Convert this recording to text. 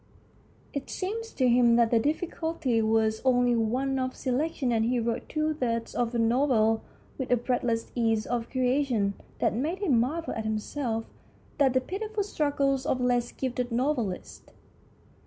It seemed to him that the difficulty was only one of selection, and he wrote two thirds of a novel with a breathless ease of creation that made him marvel at himself and the pitiful struggles of less gifted novelists.